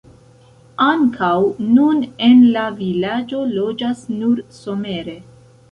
Ankaŭ nun en la vilaĝo loĝas nur somere.